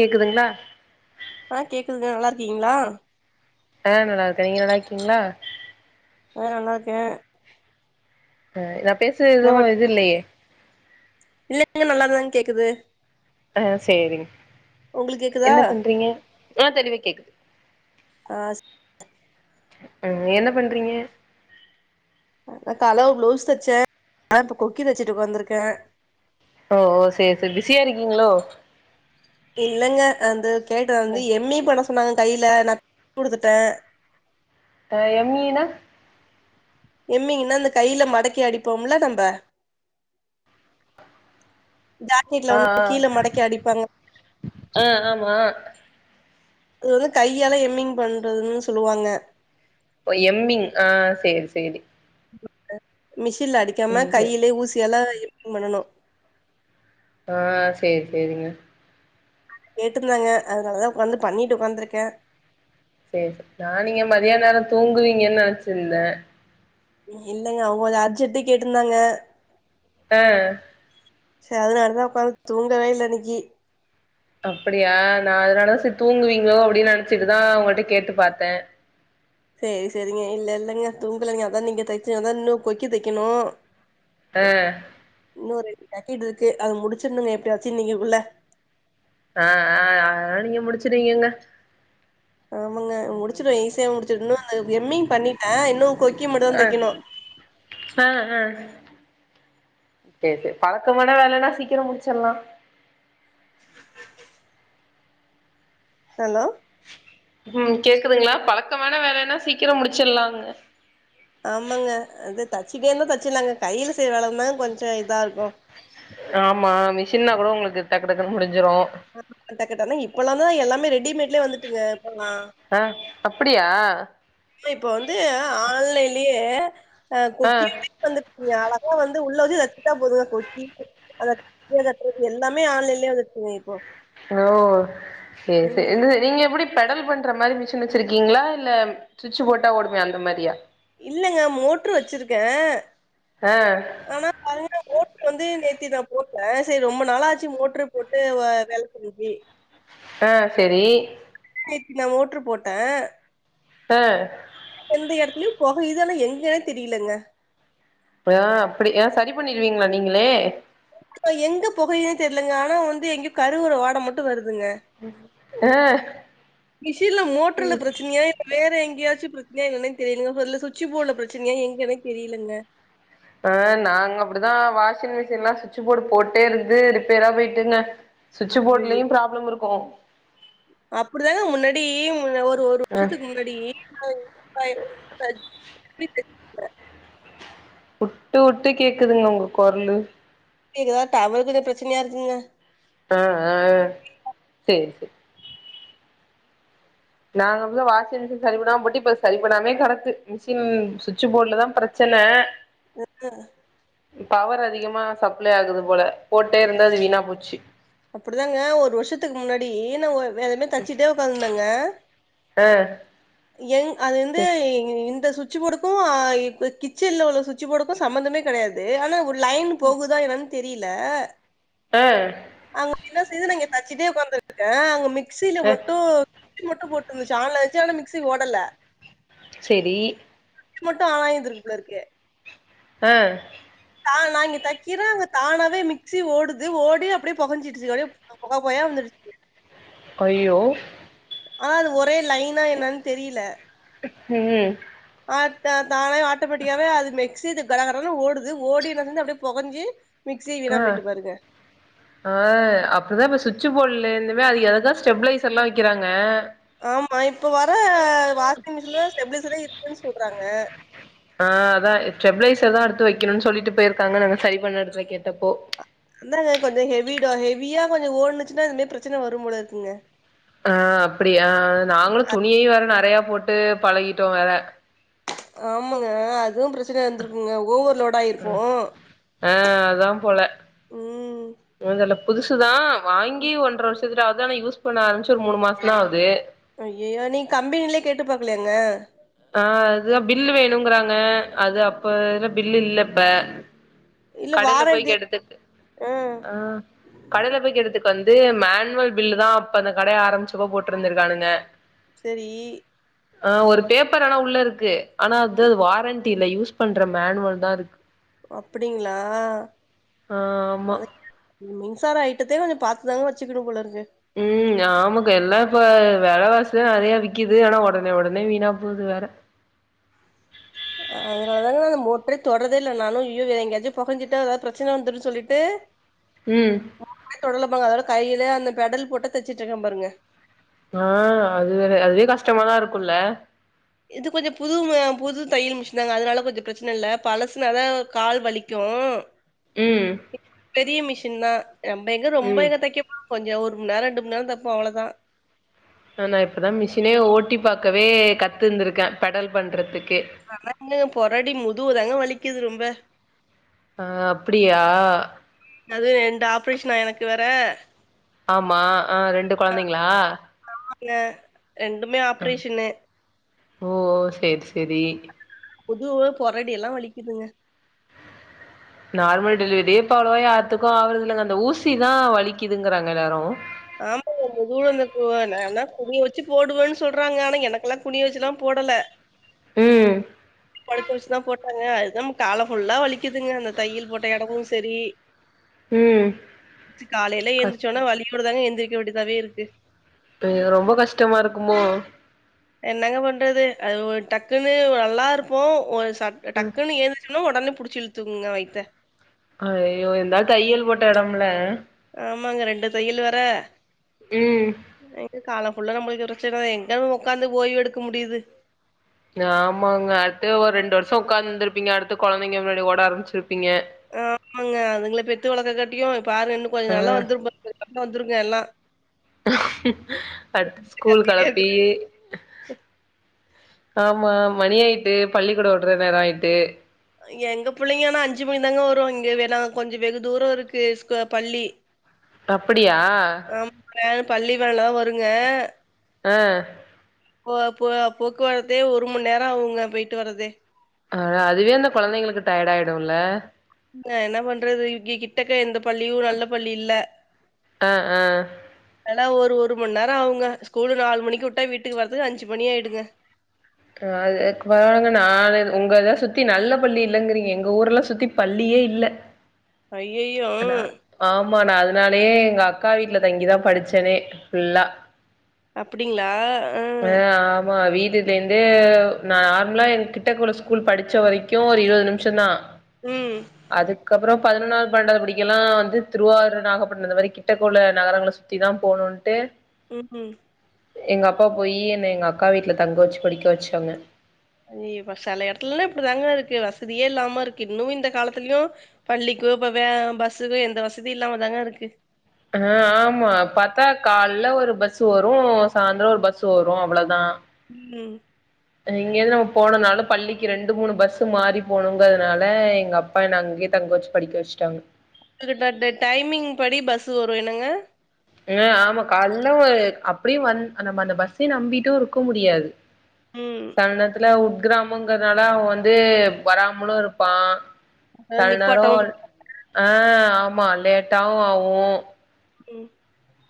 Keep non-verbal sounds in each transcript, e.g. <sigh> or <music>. கேக்குதுங்களா ஆ கேக்குதுங்க நல்லா இருக்கீங்களா ஆ நல்லா இருக்கேன் நீங்க நல்லா இருக்கீங்களா அ நல்லா இருக்கே அ நா பேசுற எதுவும் இது இல்லையே இல்லைங்க நல்லாதா கேக்குது ஆ சேரிங் உங்களுக்கு கேக்குதா என்ன பண்றீங்க ஆ தெளிவே கேக்குது ஆஸ் ஆ என்ன பண்றீங்க நா கால்ல ஒர் ப்ளவுஸ் தைச்ச அதா இப்போ கொக்கி தச்சுட்டு உக்காந்திருக்க ஒ ஓ சேர் சேர் பிஸியா இருக்கீங்குளோ இல்லங்க அந்து கேட்டது வந்து எம்மீ பண்ண சொன்னாங்க கைல நா குடுத்துட்ட அ எம்மீனா எம்மிங்குனா இந்த கைல மடக்கி அடிப்போம்ல நம்ப ஜாக்கெட்ல ஆ வந்து ஆ கீழ மடக்கி அடிப்பாங்க ஆ ஆமா பு வந்து கையால எம்மிங் பண்றதுன்னு சொல்லுவாங்க ஓ எம்மிங் ஆ சேரி சேரி மிஷின்ல அடிக்காம ம் சேரி கையிலே ஊசியால எம் பண்ணனு ஆ சேரி சேரிங்க கேட்ருந்தாங்க அதனாலதா உக்காந்து பண்ணிட்டு உக்காந்திருக்க சேர் சேர் நா நீங்க மதியான் நேரோ தூங்குவீங்கன் நெனச்சிர்ந்த இல்லங்க அவுங்கோ இத அர்ஜென்ட்டு கேட்ருந்தாங்க ஆ சே அதுனாலதா உக்காந்து தூங்கவே இல்ல இன்னக்கி அப்பிடியா நா அதுனாலதா சேர் தூங்குவீங்ளோ அப்டி நெனச்சிட்டுதா உங்கட்ட கேட்டு பாத்தே சேரி சேரிங்க இல்ல இல்லங்க தூங்குலங்க அதான் இங்க தைச்சாதா இன்னு கொக்கி தைக்கணு ஆ இன்னொரு ஜாக்கெட் இருக்கு அது முடிச்சிர்னுங்க எப்டியாச்சு இன்னைக்கி குள்ள ஆ ஆ அதலா நீங்க முடிச்சிருவீகங்க ஆமாங்க முடிச்சிருவ ஈசியா முடிச்சிடு இன்னு அதுக்கு எம்மிங் பண்ணிட்ட இன்னு கொக்கி மட்டு தா ஆ தைக்கணு ஆ ஆ சேர் சேர் பழக்கமான வேலனா சீக்கிரோ முடிச்சர்லா ஹலோ ம் கேக்குதுங்ளா பழக்கமான வேலனா சீக்கிரோ முடிச்சிர்லாங்க ஆமாங்க அது தச்சுட்டே இருந்தா தச்சிலாங்க கைல செய்ய வேலந்தா கொஞ்சோ இதா இருக்கு ஆமா மிஷின்னா கூட உங்களுக்கு டக்கு டக்குன் முடிஞ்சிரு அ டக்கடர்னு இப்போலாந்தா எல்லாமே ரெடிமேட்லே வந்துட்டுங்க இப்பல்லா ஆ அப்பிடியா இப்ப வந்து ஆ ஆன்லைன்லியே அ ஆ கொக்கியவே வந்து இனி அழகா வந்து உள்ள வச்சு தச்சிட்டா போதுங்க கொக்கி அத கீழ தக்றது எல்லாமே ஆன்லேன்லே வந்துசுங்க இப்போ ஓ சேர் சேர் ம் என்னது நீங்க எப்புடி பெடல் பண்ற மாரி மிஷின் வச்சிருக்கீங்ளா இல்ல சுட்சு போட்டா ஓடுமே அந்த மாரியா இல்லங்க மோட்ரு வச்சிருக்க ஆ ஆனா அந்த மோ ட்ர் வந்து நேத்தி நா போட்ட சேரி ரொம்ம நாளா ஆச்சு மோட்ரு போட்டு வ வேல செஞ்சி ஆ சேரி நேத்தி நா மோட்ரு போட்ட ஆ எந்த எடத்துலயொ பொகைது ஆனா எங்கன்னே தெரியலங்க பொயா அப்டி ஆ சரி பண்ணிருவீங்களா நீங்களே அ எங்க பொகையுதுன் தெர்லங்க ஆனா வந்து எங்கயோ கருவுற வாட மட்டு வருதுங்க ஆ மிஷின்ல மோட்ருல பிரச்சனையா வேற எங்கேயாச்சு பிரச்னையா என்னனே தெரியலங்க பொருல சுவிட்சி போர்ட்ல பிரச்சனையா எங்கேனே தெரியலங்க ஆ நாங்க அப்டிதா வாஷிங் மிஷின்லா சுவிட்சு போர்டு போட்டே இருந்து ரிப்பேரா போயிட்டுங்க சுவிட்சு ஐயய்யோ! போர்ட்லயு ப்ராப்ளம் இருக்கு அப்டிதாங்க முன்னாடி முன்ன ஒரு ஒரு வருஷத்துக்கு முன்னாடி <inaudible> வுட்டு வுட்டு கேக்குதுங்க உங்க கொரலு கேகுதா டவக்கு எது பிரச்சனையா இருக்குங்க ஆ ஆ சேரி செர் நாங்க அப்டிதா வாஷிங் மிஷின் சரி பண்ணாம போட்டி இப்ப சரி பண்ணாமே கெடக்கு மிஷின் சுவிட்ச் போர்ட்லதா பிர ச்சன ஹ் ஹ் டவரு அதிகமா சப்ளை ஆகுது போல போட்டே இருந்து அது வீணா போச்சு அப்டிதாங்க ஒரு வருஷத்துக்கு முன்னாடி நா ஒ வேற என்ன தச்சுட்டே உக்காந்துந்தங்க ஆ எங் அது வந்து இ இந்த சுட்ச் போர்டுக்கு அ இ கிச்சன்ல உள்ள சுட்ச் சு போடுக்கு சம்பந்தமே கெடையாது ஆனா ஒரு லைன் போகுதா என்னன் தெரில ஆ அங்க என்ன செய்து நா இங்க தச்சிட்டே உக்காந்துட்ருக்கே அங்க மிக்சில ஆ மட்டு சுவிட்சு மட்டு போட்ருந்துச்சு ஆன்ல வச்சு ஆனா மிக்சி ஓடல செரி சுச்சி மட்டு ஆனா இந்துருக்கு போலருக்கு ஆ தா நா இங்க தக்கிறே அங்க தானாவே மிக்சி ஓடுது ஓடி அப்டியே பொகஞ்சிடுச்சு அப்டியே பொக பொகயா வந்துருச்சு கொய்யோ ஆனா அது ஒரே லைனா என்னன் தெரில ம் ஆ த தானே ஆட்டோமெட்டிக்காவே அது மிக்சி இது கடகடன் ஓடுது ஓடினு அங்க இருந்து அப்டியே பொகஞ்சு மிக்சி வீணா ஆ போயிட்டு பாருங்க ஆ அப்புடிதா இப்ப சுவிட்சு போர்டுல இருந்மே அதுக்கு எததா ஸ்டெபிளைசர்ல்லா வைக்கிறாங்க ஆமா இப்ப வர வாஷிங் மிஷின்லதா ஸ்டெப்ளைஸரே இருக்குன் சொல்றாங்க ஆ அதா ஸ்டெப்ளைசர்தா அடுத்து வைக்கணுனு சொல்லிட்டு போயிருக்காங்க நாங்க சரி பண்ண எடத்துல கேட்டப்போ அந்தாங்க கொஞ்சொ ஹெவிடோ ஹெவியா கொஞ்சொ ஓடுனுச்சுன்னா இந்த மார் பிரச்சன வரும் போல இருக்குங்க ஆ அப்டியா நாங்களு துணியையு வேற நெறையா போட்டு பழகிட்டோ வேற ஆமாங்க அதுவு பிரச்சனையா இருந்திருக்குங்க ஓவர்லோட் ஆயிரு ஆ அதாம் போல ம் என்னோது ஆனா புதுசுதா வாங்கி ஒன்ற வருஷத்துட்ட ஆகுது ஆனா யூஸ் பண்ண ஆரம்பிச்சு ஒரு மூணு மாசம்தா ஆகுது ஐயயோ நீங் கம்பெனிலே கேட்டு பாக்கலியாங்க ஆ அதுதா பில்லு வேணுங்கறாங்க அது அப்பல பில் இல்ல இப்ப இல்ல கடைல போய் வாரண்டி கேட்டத்துக்கு ஆ கடைல போய் கேட்டத்துக்கு வந்து மேனுவல் பில்லு தா அப்ப அந்த கடைய ஆரம்ச்சப்ப போட்ருந்திருக்கானுங்க. செரி. ஆ ஒரு பேப்பர் ஆனா உள்ள இருக்கு ஆனா அத்தா அது வாரண்டி இல்ல யூஸ் பண்ற மேனுவல் தாருக் ஒ அப்டிங்ளா? ஆ ஆமா. மின்சார ஐட்டத்தே கொஞ்சோ பாத்துதாங்க வெச்சுக்கணும் போலருக்கு. ம் ஆமக்க எல்லா இப்ப வெலவாசிதா நறைய விக்குது ஆனா ஒடனே ஒடனே வீணா போது வேற. அ அதனால தாங்க அந்த மோட்ரே தொட்றதே இல்ல நானு ய்யு வேற எங்கயாச்சு பொகஞ்சிட்டா எதா பிரச்சன வந்துருன் சொல்லிட்டு ம். <inaudible> தொடலம்பாங்க அதனால கையிலே அந்த பெடல் போட்டே தெச்சிட்ருக்கே பாருங்க. ஆ அது வேற அதுவே கஷ்டமாதா இருக்குல்ல. இது கொஞ்சோ புதும புது தையல் மிஷின்தாங்க அதுனால கொஞ்சோ பிரச்ன இல்ல பழசுனாத கால் வலி க்கு. ம். பெரிய மிஷின் தா நம்ப எங்க ரொம்ப ம் எங்க தெக்க போறோ கொஞ்சோ ஒரு மண் நேரோ ரெண்டு மண் நேரோ தெப்போ அவ்ளதா. சோ நா இப்பதா மிஷினே ஓட்டி பாக்கவே கத்துந்திருக்கே பெடல் பண்றதுக்கே. ஆனா <inaudible> பொறடி முதுவுதாங்க வலிக்குது ரொம்ப. ஆ அப்பிடியா? அதுவு ரெண்டு ஆப்ரேஷனா எனக்கு வேற ஆமா அ ரெண்டு கொழந்தைங்ளா? ஆங்க ரெண்டுமே ஆப்ரேஷனு. ஓ செர் செரி. முதுவு பொறடி எல்லா வலிக்குதுங்க. நார்மல் டெலிவரியே இப்ப அவ்ளவா யார்த்துக்கு ஆவறது இல்லங்க. அந்த ஊசிதா வலிக்குதுங்கறாங்க எல்லாரு. ஆமாங்க முதுவுல இந்த கு நா நா குனிய வெச்சு போடுவன் சொல்றாங்க ஆனா எனக்கெல்லா குனிய வெச்சுலாம் போடல. ம். படுக்க வெச்சுதா போட்டாங்க அதுதாம் கால ஃபுல்லா வலிக்குதுங்க அந்த தையல் போட்ட எடமு செரி ம் ச்சி காலைல கஷ் எந்திச்சொன்ன வழியோடதாங்க எந்திரிக்க வேண்டிதாவே இருக்கு. ம் ரொம்ப கஷ்டமா இருக்குமோ? என்னங்க பண்றது அது ஒ டக்குன்னு ஒ நல்லா இருப்போ ஒரு சட் ம் டக்குன்னு எந் சின்னு ஒடனே புடிச்சு இழுத்துகுங்க வய்த்த. அய்யோ இந்தால் தையல் போட்ட எடம்ல ஆமாங்க ரெண்டு தையல் வெற ம் அ காலம்ஃபுல்லா நம்மள்க்கு பிரச்சனதா எங்க ஒக்காந்து ஓய்வு எடுக்க முடிது. ஆமாங்க அட்த்து ஒரு ரெண்டு வர்ஷோ உக்காந்திருப்பீங்க அடுத்து கொழந்தைங்க முன்னாடி ஓட ஆரம்ச்சிருப்பிங்க. ஆமாங்க அதுங்ள பெத்து வளக்க காட்டிகு பாருங்க இன்னு கொஞ்சோ ஆ நல்லா வந்துரும் பாருங்க சண்ட வந்துருங்க எல்லா. அத் ஸ்கூல் கெளப்பி. ஆமா மணி ஆயிட்டு பள்ளிக்கூடோ உட்ற நேரோ ஆயிட்டு. எங்க புள்ளைங்க ஆனா அஞ்சு மணிக் தாங்க வரு இங்க வேணா கொஞ்சோ வெகு தூரோ இருக்கு ஸ்கூ பள்ளி. அப்படியா? ஆமா <inaudible> பள்ளி வேன்லதா வருங்க. அ. போக போக போக்குவரத்தே ஒரு மண் நேர ஆகுங்க போய்ட்டு வரதே ஆனா அதுவே அந்த கொழந்தைங்களுக்கு டயர்ட் ஆயிடுல்ல அ என்ன பண்றது இங்க கிட்டக்க எந்த பள்ளியு நல்ல பள்ளி இல்ல ஆ ஆ எல்லா ஒரு ஒரு மண் நேர ஆகுங்க ஸ்கூலு நாலு மணிக்கு விட்டா எங்க வீட்டுக்கு வரத்துக்கு அஞ்சு மணி ஆயிடுங்க அ அது அக் வாங்க நானு உங்கத சுத்தி நல்ல பள்ளி இல்லங்றீங்க எங்க ஊர்லா சுத்தி பள்ளியே இல்ல ஐயய்யோ நா ஆமா நா அதுனாலயே எங்க அக்கா வீட்ல தங்கிதா படிச்சனே ஃபுல்லா அப்டிங்களா? அ. ஆ ஆமா வீடு ஏவ் நா நார்ம்லா எங்க கிட்டக்குள்ள ஸ்கூல் படிச்ச வரைக்கு ஒரு இருவது நிம்ஷந்தா ம் அதுக்கப்ற பதினொன்னாவ்து பன்னண்டாவ்து படிக்கெல்லா வந்து திருவாரூர் நாகப்பட்டின இந்த மாரி கிட்டக்க உள்ள நகரங்கள சுத் த்தி தா போணுன்ட்டு ம் ம் எங்க அப்பா போயி என்ன எங்க அக்கா வீட்ல தங்க வச்சு படிக்க வச்சாங்க ம் இப்ப செல எடத்துலலா இப்டி தாங்க இருக்கு வசதியே இல்லாம இருக்கு இன்னு இந்த காலத்துலயு பள்ளிக்கு இப்ப வே பஸ்ஸுக்கு எந்த வசதியு இல்லாமதாங்க இருக்கு அ ஆமா பாத்தா கால்ல ஒரு பஸு வரு சாந்தர ஒரு பஸு வரு அவ்ளதா இல்லேங் இங்கெருந்து நம்ம போனனாலு பள்ளிக்கு ரெண்டு மூணு பஸு மாறி போணுங்கறதுனால எங்கப் பா என்ன அங்கே தங்க வச்சு படிக்க வச்சுட்டாங்க இங்க பட்டு டைமிங் படி பஸ்ஸு வரு என்னங்க ம் ஆமா கால்ல ஒரு அப்டியு வன் அ நம்ம அந்த பஸ்ஸ நம்பிட்டு இருக்க முடியாது ம். செல நேரத்துல உங் கிராமங்கறனால அவ வந்து வராமலு இருப்பா அதாவது செல நேரோ நிப்பாட்டவும் ஆ ஆமா லேட்டாவு ஆவு ம்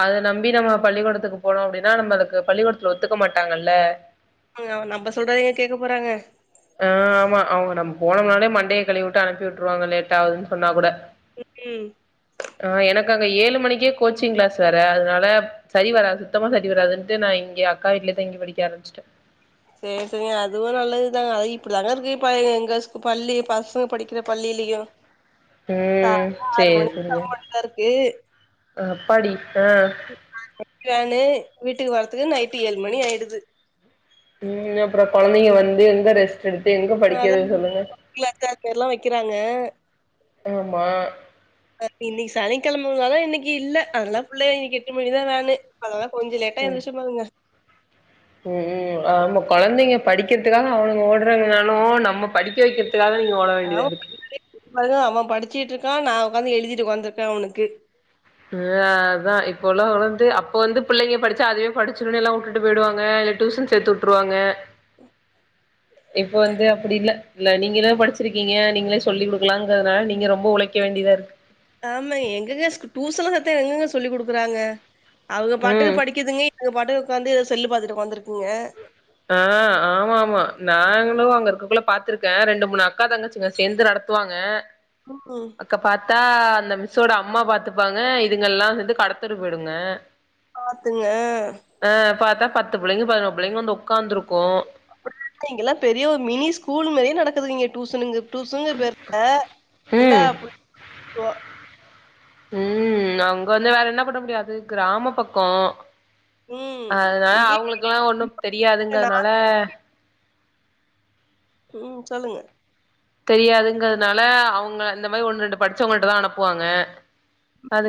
அதது நம்பி நம்ம பள்ளிக்கொடத்துக்கு போனோ அப்டினா நம்மளுக்கு பள்ளிக்கொடத்துல ஒத்துக்க மாட்டாங்கல்ல ஐயோ நம்ப சொல்றத எங்க கேக்க போறாங்க ஆ ஆமா அவ்ங்க நம்ம போனோம்னாலே மண்டைய களிவிவுட்டு அனுப்பிவுட்டுருவாங்க லேட் ஆகுதுன் சொன்னா கூட ம் ம் ஆ எனக்கு அங்க ஏழு மணிக்கே கோச்சிங் கிளாஸ் வேற அதுனால சரி வரா சுத்தமா சரி வராதுன்ட்டு நா இங்க அக்கா வீட்லே தங்கி படிக்க ஆரம்மிச்ட்டே சேரி சேரிங்க அதுவு நல்லதுதா இப்டிதாங்க இருக்கு இப்ப எங்க ஸ்கூ பள்ளி பசங்க படிக்க குற பள்ளிலயு ம் சேர் சேரிங்க மட்டுந்தா இருக்கு அ அப்பாடி இப்ப யானு வீட்டுக்கு வரத்துக்கு நைட்டு ஏழு மணி ஆயிடுது இல்லங்க அப்ற கொழந்தைங்க வந்து எங்க ரெஸ் க் எடுத்து எங்க அதா படிக்கிறது சொல்லுங்க கிளாஸ் அது மாரிலா வைக்கிறாங்க ஆமா ஆ இன்னைக்கு சனிக்கெழமார்ல இன்னக்கி இல்ல அதனால ஃபுல்லா இன்னக்கி எட்டு மணிதா நானு அதனால கொஞ்ச லேட்டா ம் எந்துச்சு பாருங்க ம் ம் ஆமா கொழந்தைங்க படிக்கிறதுக்காக அவனுங்க ஓட்றாங்கனாலு நம்ம படிக்க வைக்க தாங்க நீங்க <unintelligible> அவ <inaudible> அவ படிச்சிக்கிட்ருக்கா நா ஒக்காந்து எழுதிட்டு ஒக்காந்துருக்கே அவனுக்கு ம் அதா இப்ப உள்ளவ்ங்க வந்து அப்ப வந்து பிள்ளைங்க படிச்சா அதுவே படிச்சுருனு எல்லா வுட்டுட்டு போயிடுவாங்க இல்ல டூசன் சேத்துவுட்ருவாங்க <inaudible> இப்ப வந்து அப்டி இல்ல இல்ல நீங்க என்ன படிச்சிருக்கீங்க நீங்களே சொல்லி குடுக்கலாம்ங்கிறதுனால நீங்க ரொம்ப உழைக்க வேண்டியதா இருக்கு ஆமா எங்கங்க சு டியூசன்லா சத்த எங்கங்க சொல்லி குடுக்குறாங்க அவங்க பாட்டுக்கு ம் படிக்குதுங்க அதுங்க பாட்டுக்கு உக்காந்து செல்லு பாத்துட்டு உக்காந்துட்ருக்குங்க ஆ ஆமா ஆமா நாங்களு அங்க இருக்கக்குள்ள பாத்துருக்கே ரெண்டு மூணு அக்கா தாங்கச்சுங்க சேந்து நடத் துவாங்க ம் ம் அக்க பாத்தா அந்த மிஸ்ஸோட அம்மா பாத்துப்பாங்க இதுங்கல்லா சேந்து கடத்தெரு போயிடுங்க பாத்துங்க ஆ பாத்தா பத்து பிள்ளைங்க பதினோரு பிள்ளைங்க வந்து உக்காந்துருக்கு இங்கெல்லா பெரிய ஒரு மினி ஸ்கூல் மாரியே நடக்குதுங்க டியூசனு சுங்க பேருக்க எல்லா ம் ம் அங்க வந்து வேற என்ன பண்ண முடியாது கிராம பக்கோ ம் அதனால இங்கயே அவங்களுக்குல்லா ஒண்ணு நா தெரியாதுங்கிறதுனால ம் சொல்லுங்க தெரியாதுங்கிறதுனால அவங்க இந்த மாரி ஒண்ணு ரெண்டு படிச்சவங்கள்ட்டதா அனுப்புவாங்க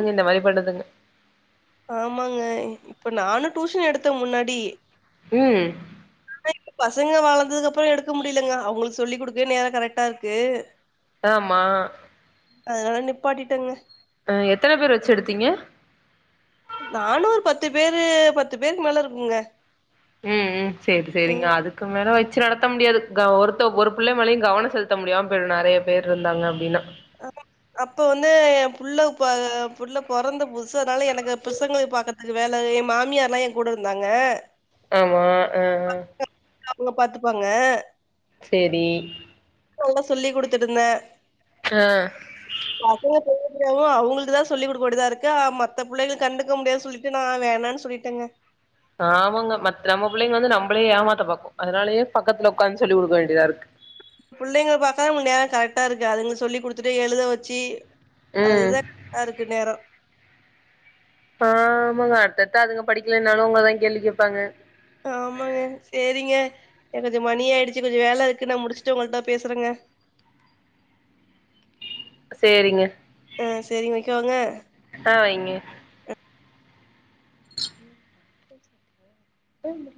ம் இந்த மாரி பண்ணுதுங்க ஆமாங்க இப்ப நானு டடூஷன் எடுத்த முன்னாடி ம் பசங்க வளந்ததுக்கு அப்பறோ எடுக்க முடியலங்க அவங்களுக்கு சொல்லி்க் குடுக்கவே நேரோ கரெக்டா இருக்கு ஆமா அதனால நிப்பாட்டிட்டங்க ஆ எத்தன பேர்ர வெச்சு எடுத்தீங்க நானு ஒரு பத்து பேரு பத்து பேருக்கு மேல இருக்குங்க ம் ம் சேரி சேரிங்க ம் அது க்கு மேல வெச்சு நடத்த முடியாது க ஒருத்த ஒரு புள்ள மேலயு கவன செலுத்த முடியாம போயிடு நெறைய பேரு இருந்தாங்க அப்டின்னா ஆமா அப்ப வந்து ஏ புள்ள ப புள்ள பொறந்த புது சுனால எனக்கு பிசங்கள பாக்கறதுக்கு வேல எ மாமியார்ல்லா எ கூட இருந்தாங்க ஆமா ஆ அவங்க பாத்துப்பாங்க சேரி நல்லா சொல்லிக் குடுத்துட்ருந்தே ஆ பசங்களுக்கு சொல்ல முடியு அவங்களுக்கு தா சொல்லி குடுக்க வேண்டியதுதா இருக்கு அ மத்த புள்ளைங்க கண்டுக்க முடியாது சொல்லி நா வேணான்னு சொல்லிட்டேங்க ஆமாங்க மத்த நம்ம புள்ளைங்க வந்து நம்மளே ஏமாத்த பாக்கு அதனாலயே பக்கத்து உக்காந்து சொல்லி குடுக்க வேண்டியதா இருக்கு புள்ளைங்க பாக்காதா உங்களுக்கு நேர கரெக்டா இருக்கு அதுங்க சொல்லி குடுத்துட்டு எழுத வச்சு ம் அதுதா அதுக்கு நேரோ ஆமாங்க அடுத்தடுத்த அதுங்க படிக்கலனாலு உங்களதா கேள்வி கேப்பாங்க ஆமாங்க செரிங்க எனக்கு மணி ஆயிடுச்சு கொஞ்சோ வேல இருக்கு நா முடிச்சுட்டு உங்கள்ட்ட பேசுறேங்க சேரிங்க ஆ செரி வெக்கவாங்க ஆ வைங்க <inaudible> டும்